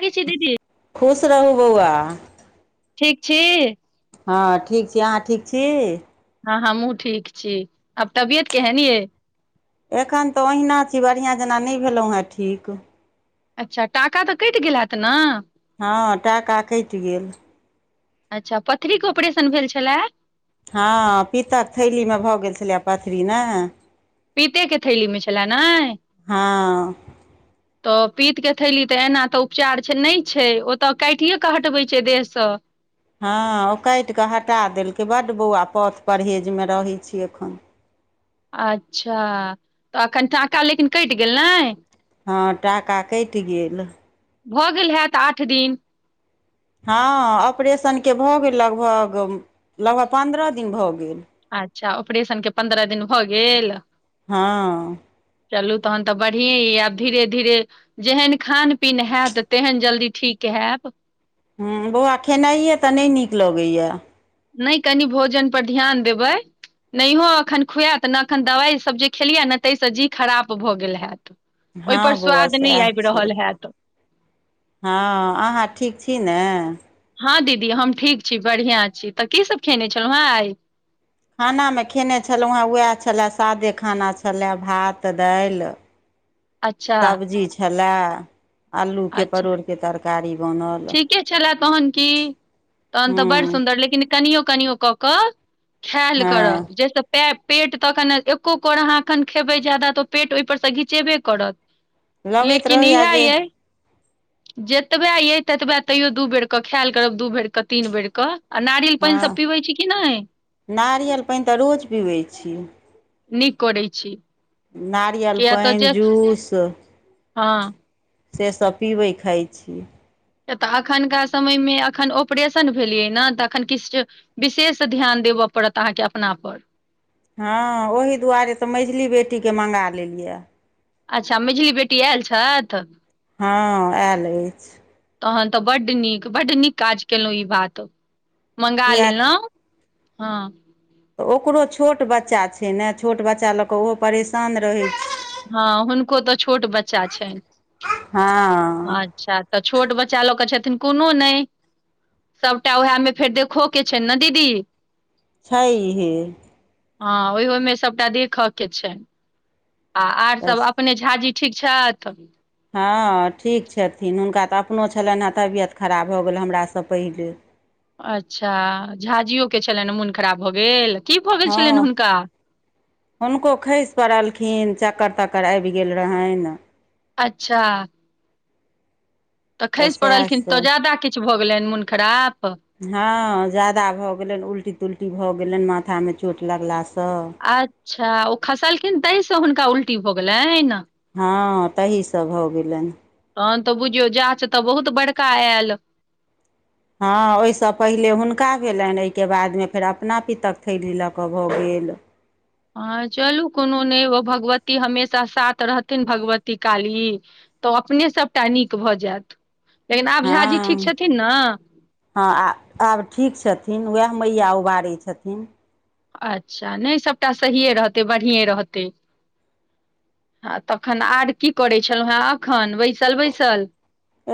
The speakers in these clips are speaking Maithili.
करै छी दीदी खुश रहू बौआ ठीक छी हँ ठीक छी अहाँ ठीक छी हँ हमहूँ ठीक छी आब तबियत केहन यै एखन तऽ ओहिना छी बढ़िआँ जेना नहि भेलहुँ हेँ ठीक अच्छा टाका तऽ कटि गेल हैत न हँ टाका कइट गेल अच्छा पथरीके ऑपरेशन भेल छलए हँ पीतक थैलीमे भऽ गेल छलैए पथरी ने पीतेके थैलीमे छलए नै हँ तऽ पीत केऽ थैली तऽ एना तऽ उपचार छै नहि छै ओतय काइटिए कऽ हटबै छै देहसँ हँ ओ काइटि कऽ हटा देलकै बड्ड बौआ पथ परहेजमे रहै छी एखन अच्छा तऽ एखन टाका लेकिन क इट गेल नै हँ, टाका क इट गेल भऽ गेल हैत आठ दिन हँ, ऑपरेशनके भऽ गेल लगभग लगभग पन्द्रह दिन भऽ गेल। अच्छा ओपरे शनके पन्द्रह दिन भऽ गेल। हँ चलू तहन तऽ बढ़िए य आब धीरे धीरे जेहन खान पीन हैत तेहन जल्दी ठीक के हैप ह बौआ खेनाइए तऽ नहि नीक लगैए नहि कनि भोजन पर ध्यान देबै। नहिओ एखन खुएत नहि एखन दवाइसभ जे खेलियै ने ताहिसँ जी खराब भऽ गेल होैत हँ, बौआ सएह छियै। हैत हँ अहाँ ठीक छी नहि हँ दीदी, हम ठीक छी, बढ़िआँ छी। तऽ की सब खेने छलहुँ हेँ खानामे खेने छलौ है उएह छलय सादे खाना छलय भात दाइल अच्छा सब्जी छलए, आलूके अच्छा परोड़के तरकारी। बनल ठीके छलए तहन की तहन तऽ बड़ हूँ सुन्दर लेकिन कनियो कनियो कऽ कऽ खयाल हँ करब जाहिसँ पैं पेट तखन एको कोर अहाँ एखन खेबै ज्यादा तऽ पेट ओहिपर सं घिचेबे कऽ रऽ तऽ लगैत लेकिन रहैया इएह जे यै जतबेया अइ ततबे तैयो दू बेरके खेयाल करब दू बेर कऽ तीन बेर कऽ आ नारियल पानि हँ सब पीबै छी। कि नैय नारियल पानि तऽ रोज पीबै छी नीक करै छी। नारियल पानि जूस हां सेसभ पिबैय खाय छी। एतऽ एखनका समयमे एखन ऑपरेशन भेलैय न तऽ एखन किछ जे विशेष ध्यान दे ब पड़त अहाँके अपना पर हां ओही दुआरे तऽ मैझली बेटीकेँ मंगा लेलियै अच्छा मैझली बेटी एयल छथि। हां एयल अछि तहन तऽ बड नीक बड नीक काज केलहुँ ई बात मँगा किया लेलौ हां ओकरो छोट बच्चा छै। न छोट बच्चा लऽ कऽ उहो परेशान रहै छै। हां हुनको तऽ छोट बच्चा छनि। हँ अच्छा तऽ छोट बच्चा लऽ क छथिन कोनो नहि सभटा उएहमे फेर देखो के छै। न दीदी छै हे हां ओहोमे सभटा देखव के छैय आ आर सभ अपने झाा जी ठीक छऽथ। हां, ठीक छथिन हुनका तऽ अपनो छलैन हेँ तबियत खराब भऽ गेल हमरासँ पहिले अच्छा झाँझियो के छलैन मोन खराब भऽ गेल की भऽ गेल छलनि हां हुनका हुनको खैस पड़लखिन च कत तक्कर आबि गेल रहनि अच्छा तऽ खैसि पड़लखिन तऽ ज्यादा किछु भऽ गेलैन मोन खराब हां, ज्यादा भऽ गेलैन उल्टी तुलटी भऽ गेलैन माथा मे चोट लगलासँ हँ अच्छा ओ खसलखिन तहि सँ हुनका उल्टी भऽ गेलैन हां तहि सँ भऽ गेलैन तहन तऽ बुझियौ जाँच तऽ बहुत बड़का एल हां ओहिसँ पहिले हुनका भेलैन एहिके बादमे फेर अपना पितक थैली लऽ कऽ भऽ गेल गेल हाँ चलू कोनो नैय ओ भगवती हमेशा साथ रहथिन भगवती काली तऽ अपने सभटा नीक भऽ जेत हँ हँ आ आब ठीक छथिन उएह मैया उबारै छथिन अच्छा नहि सभटा सहिए रहतै बढ़िए रहतै आ तखन आर की करै छलहुँ हेँ एखन बै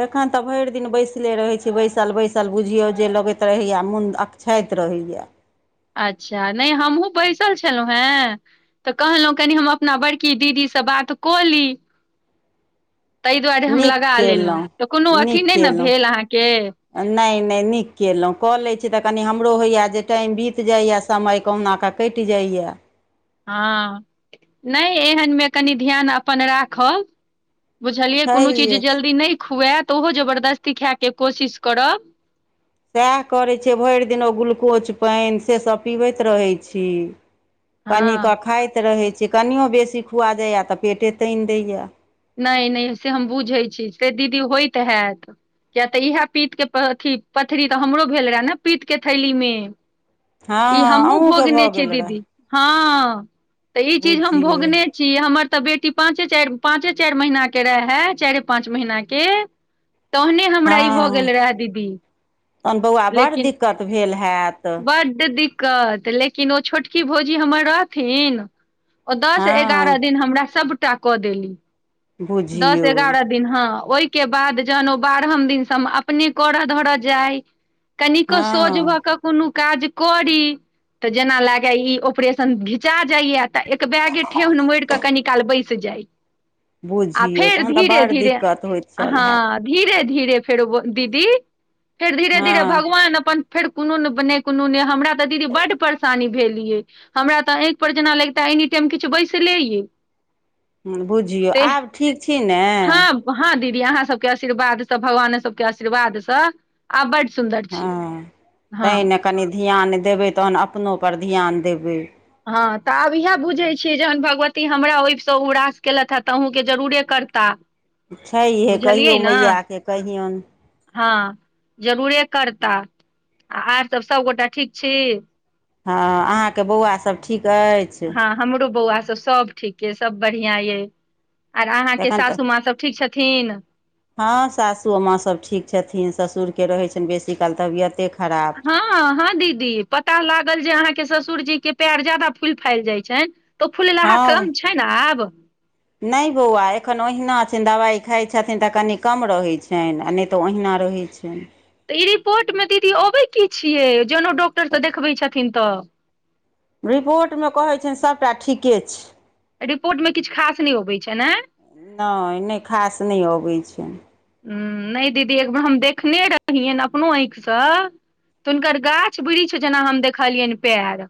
एखन तऽ भरि दिन बैसले रहै छी बैसल बैस सल बुझियौ जे लगैत रहैए मोन अकछाइत रहैया अच्छा नहि हमहुँ बैसल छलहुँ हें तऽ कहलहुँ कनी हम अपना बड़की दीदी सँ बात बात कऽली तै दुआरे हम नीक लगा लेलौ केलहुँ तऽ कोनो अथी नीक नै न भेल अहाँके नै नीक केलौं कऽ लै छी तऽ कनी हमरो होय या जे टाइम बीत जाइया समय कहुना कऽ कटि जा इया ह नहि एहनमे कनि ध्यान अपन राखब बुझलियै कोनो चीज छैहे जल्दी नहि खुयात तऽ ओहो जबरदस्ती खेय के कोशिश करब सएह करैत छै भरि दिन ओ ग्लुकोज पाइन सेसभ पीबैत रहै छी हँ कनिकँ खाइत रहैत छी कनिओ बेसी खुआ जाइए तऽ पेटे तानि दैए नै नै से हम बुझैत छी, से दीदी होइत हैत किये तऽ यैह प पीत के अथी पथरी तऽ हमरो भेल रहै ने पीतके थैलीमे ई हँ हमहुँ अहूँके भोगने भऽ छी गेल रहए दीदी हँं ई चीज हम बुझियौ भोगने छी, हमर तऽ बेटी पाँचे चारि पाँचे चारि महीना के रहै, चाइरे पाँच महीना के तहने हमरा ई भऽ हँ गेल रहै दीदी तहन बौआ बड्ड लेकिन दिक्कत भेल हैत कत लेकिन ओ छोटकी भौजी हमर रहथिन दस एगारह हँ दिन हमरा सबटा कऽ देली दस बुझियौ एगारह दिन हँ ओहिके बाद जहन ओ बारहम दिनसँ हम अपने करऽ धरऽ जाय कनिको हँ सोझ भऽ कऽ कोनो काज करी जेना लागय ई ऑपरेशन घिचा जाइया तऽ एक बैगे ठेहुन मोड़ि कऽ कनी काल बैस जाय आ बुझियौ फेर तहन तऽ धीरे बड़ धीरे दिक्कत होइत छल हैत हँ धीरे धीरे धीरे फेर दीदी कऽ धीरे धीरे हँ भगवान अपन फेर कोनो ने ने कोनो ने हमरा ते दीदी बड्ड परेशानी भेल ये हमरा तऽ ऑखि पर जेना लैगते एनिटाइम किछु बैसले यै बुझियौ तेहन आब ठीक छी ने दिदी अहाँ सब के आशीर्वाद सँ भगवान सबके आशीर्वाद सँ आब बड्ड सुन्दर छी हाँ हँ तैंनै कनी ध्यान देबै तहन अपनो पर ध्यान देबै हँ तऽ आब इएह बुझैत छियै जहन भगवती हमरा ओहिसँ उबरास केलथि हें तऽ अहूँके जरूरे करताह छैहे कहियौ बुझलियै ने मैया के कहियौन हँ जरूरे करता आ आर तब सभगोटा ठीक छी हँ अहाँके बौआ सब ठीक अछि हॉ सब ठीक यै सब बढ़ियां यै आर अहाँके एखन तऽ सासु माँ सब ठीक छथिन हँ सासुमाँ सभ ठीक छथिन ससुरके रहैत छनि बेसीकाल तबियते खराब हँ हँ दीदी पता लागल जे अहाँके ससुरजी के पैर ज्यादा फूलि फालि जाइ छनि तऽ ओ फूल लाहा हँ कम छैन आब नहि बौआ एखन ओहिना छै। दवाइ खाइत छथिन तऽ कनि कम रहैत छनि। नहि तऽ ओहिना रह कहै छिनि ई रिपोर्टमे दीदी अबै की छियै जने डॉक्टरसँऽ देखबै छथिन तऽ रिपोर्टमे कहैत छियनि सभटा ठीके छै। रिपोर्टमे किछु खास नहि अबैत छ ने नऽ नहि खास नहि अबैत छनि ह म नहि दीदी एकबेर हम देखने रहियनि अपनो आँखिसँ तऽ हुनकर गाछ वृक्ष जेना हम देखलियनि पएर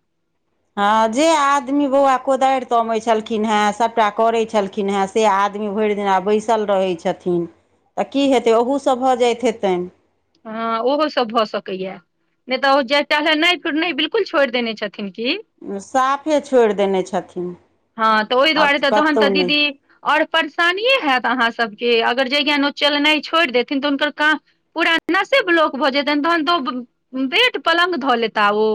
हँ, जे आदमी बौआ कोदारि तमैत छलखिन हेँ सभटा करैत छलखिन हेँ से आदमी इभरििना दिनी बैसल रहै छथिन तऽ की हेतै ओहूसँ भऽ जाइत हेतनि हँ, ओहोसभ भऽ सकैए नै तऽ ओ जाये नहि नहि बिलकुल छोड़ि देने छथिन की साफे छोड़ि देने छथिन। ह तऽ ओहि आब दुआरे तऽ तहन कतहु तऽ नहि दीदी और परेशानीे हैत अहा सबके अगर जजञा ओ चलेनाइ छोड़ि देथिन तऽ हुनकर काम पूरा नसेब लोक भऽ जेतैन तहन तऽ ओ बेड पलंग धऽ लेता ओ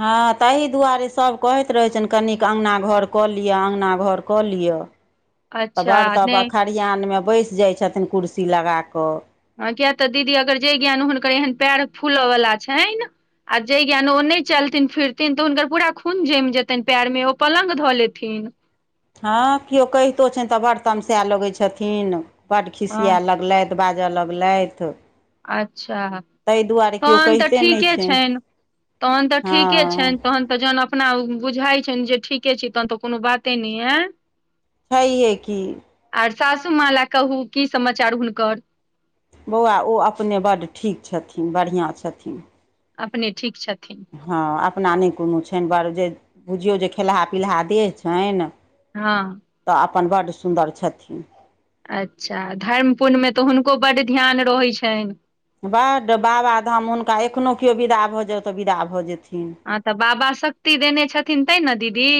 ह तहि दुआरे सभ कहैत रहै छनि। कनिक अंगना घर कऽ लिअ अंगना घर कऽ लिअ तऽ अच्छा बड़ तऽ नहि खरिहानमे बैस जाइत छथिन कुर्सी लगा कऽ किय तऽ दीदी अगर जे ज्ञान हुनकर एहन पएर फूलयवला छइन आ जे ज्ञान ओ नै चलथिन फिरथिन तऽ हुनकर पूरा खून जैम जेतैन पैइर मे ओ पलंग धऽ लेथिन [unintelligible] हँ, केओ कहितो छैन। तऽ बड्ड तमसा लगैत छथिन बड्ड खिसिया हँ लगलथि बाजऽ लगलैथि अच्छा तहन तऽ कहिते नहि ठीके छनि। तहन तऽ ठीके हँ छनि। तहन तऽ जहन अपना उ बुझाइत छनि जे ठीके छै। तहन तऽ कोनो बाते नै एं छै हे की आर सासू माँ ला कहू की समाचार हुनकर बौआ ओ अपने बड्ड ठीक छथिन बढ़िआँ छथिन। अपने ठीक छथि हँ, अपना नहि कोनो छनि। बड़ जे बुझियौ जे खेलहा पिलहा देह छैन। हँ अपन बड्ड सुन्दर छथिन। अच्छा धर्म पुण्यमें तऽ हुनको बड्ड ध्यान रहै छनि। बड्ड बाबाधाम हुनका एखनहु केओ विदा भऽ जायउ तऽ विदा भऽ जेथिन हँ, तऽ बाबा शक्ति देने छथिन तै ने दीदी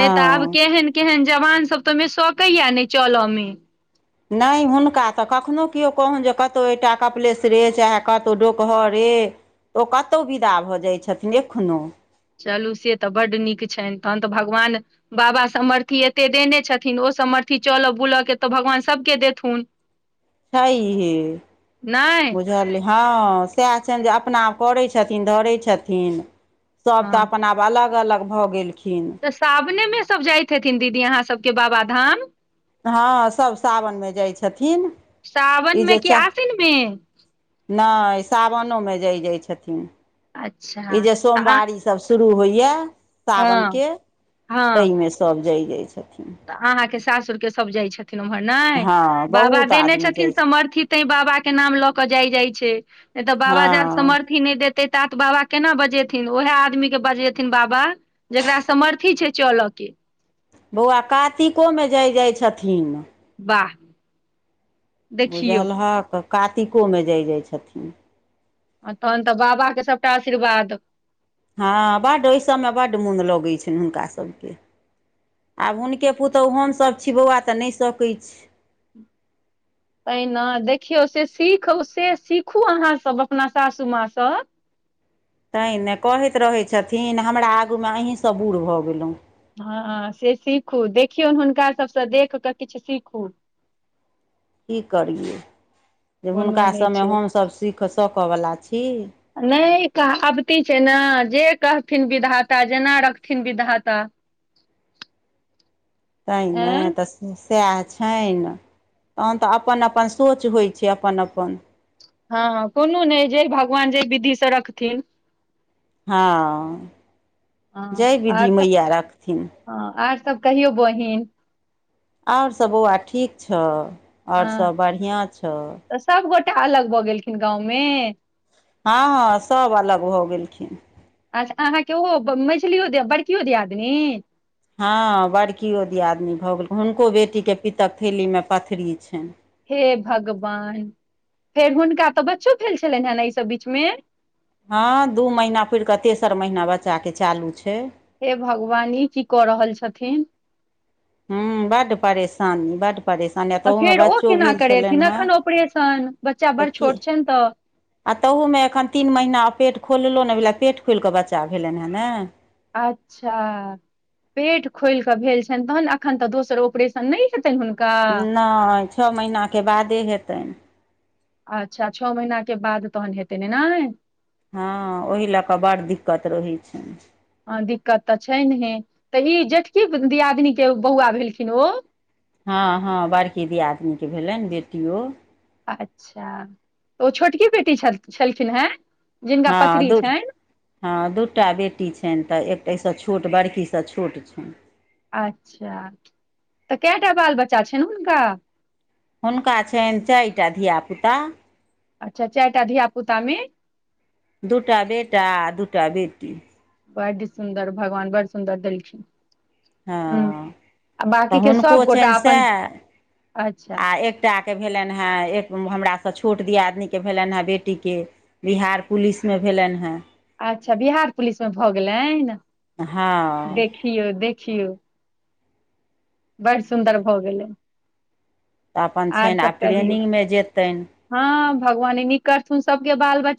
नहि तऽ आब केहन केहन जवानसभ तऽ ओहिमें सकैया नै चलय में नै, हुनका तऽ कखनो केओ कहन जे कतहु एकटा कपलेशरे चाहे कतौ डोकहररे से ओ कतहु विदा भऽ जाइत छथिन एखनो चलू से तऽ बड्ड नीक छनि। तहन तऽ भगवान बाबा सामर्थ्य एते देने छथिन। ओ सम अथी चलो बुलऽ के त भगवान सब के देथुन छै हे नहि बुझल ऐ हँ, सएह छनि जे अपना करै छथिन धरै छथिन। सब तऽ हँ अपन आब अलग अलग भऽ गेलखिन तऽ सावनेमें सभ जाइत हेथिन दीदी अहाँ सबके बाबाधाम हँ सभ सावनमें जाइ छथिन सावन ई मे जे कि चाह आसिन मे नई साावनोमें जाइ जाय छथिन ई अच्छा जे तऽ सोमवारी सब शुरू होइया हँ सावनके हँ तई में सब जाय जाइ छथिन। तऽ अहाँके सासुर के सब जाइ छथिन। ओम्हर नई हँ बाबा बहुत देने आदमी छथिन जाइ छै सामर्थ्य ते बाबा के के नाम लऽ के जाय जाइ छै। नहि तऽ बाबााजाबे हँ सामर्थ्य नई दे ते तात बाबा केना बजेथिन ओएहे आदमी के बजेथिन बाबा जेकरा सामर्थी छै। चलक के बौआ कातिकोमें जाय जाइ छथिन, वाह देखियौ बुझलहक कातिकोमें जाय जाइ छथिन, आ तहन तऽ बाबा के सब टा आशीर्वाद हँ, बड्ड ओहि सभमें बड्ड मोन लगैत छनि। हुनकासभके आब हुनके पुतहु हमसभ छी। बौआ तऽ नहि सकै छी पहिना देखियौ से सीख से सीखू अहाँसब अपना सासूमाँ स [inaudible] तैँ ने कहैत रहै छथिन, हमरा आगू में अहीँसब बूढ़ भऽ गेलहुँ। हँ, से सीखू देखियौन हुनका सभसँ देख कऽ किछु सीखू [inaudible] की करियै जे कोनो हुनका नहि सब में छै हमसभ सीख सकय वला छी। नई कहाबती छै, ने जे कहथिन विधाता जेना रखथिन विधाता त ने एं त सेह छनि तहन तऽ अपन अपन सोच होइ छै, अपन अपन हँ, कोनो नई जे भगवान जे विधि स रखथिन हँ, जाय हँ विधि आर तऽ मैया रखथिन हँ आर सब कहियो बहिन और सभ बौआ ठीक छ और हँ सभ बढ़िआँ छ तऽ सभगोटा अलग भऽ गेलखिन गाँवमे हँ सभ अलग भ गेलखिन अच्छा अहाँके ओहो मझलियो दि बड़कियो दियादनी हँ, बड़कियो दियादनी भऽ गेल हुनको बेटीके पितक थैलीमे पथरी छनि। हे भगवान फेर हुनका तऽ बच्चो भेल छलनि, हैं न एहिसभ बीचमे हँ, दू महिना पुड़ि कऽ तेसर महिना बच्चाके चालू छै हे, भगवान ई की कऽ रहल छथिन। हू बड परेशानी बड परेशानी तऽ तहुंमे फेर ओ बच्चो केना भेल करेथिन छलनि हैं। एखन ऑपरेशन बच्चा बड़ तऽ की छोट छनि तऽ आ तहूमे एखन तीन महीना आ पेट खोललो नहि भेल आ पेट खोलि कऽ बच्चा भेलनि हैं ने अच्छा पेट खोलि कऽ भेल छनि, तहन एखन तऽ दोसर ऑपरेशन नहि हे नहि छौ महीनाके बादे हेतनि अच्छा छौ महीनाके बाद तहन हेतैन ने हँ ओहि लऽ कऽ बड़ दिक्कत रहैत छैन हँ, दिक्कत तऽ छैन हे तऽ ई जेठकी दियादिनीके बौआ भेलखिन ओ हँ, हँ, बड़की दियादनीके भेलनि बेटियो अच्छा तऽ ओ छोटकी बेटी छल छलखिन हँ, हँ दू हँ दूटा बेटी छनि तऽ एक ताहिसँ छोट बड़कीसँ छोट छनि। अच्छा तऽ कएटा बाल बच्चा छनि, हुनका हुनका छनि चारिटा धियापुता अच्छा चारिटा धिया पुता मे दुटा बेटा आ दूटा बेटी बड सुन्दर भगवान बड सुन्दर देलखिन ह हँ, आ तऽ बाँकी के हुनको सभगोटा छनि अपन अच्छा सएह आ एकटा भेलनि है एक हमरा स छोट दियादनी के भेलनि हें बेटी के बिहार पुलिस मे भेलनि हैं अच्छा बिहार पुलिस मे भऽ गेलनि हँ देखियौ देखियौ बड सुन्दर भऽ बुझलियै गेलै तऽ अपन आर छनि सब आब कहियौ ट्रेनिंगमे जेतनि हँ भगवाने नीक करथुन सबके बाल बच्चा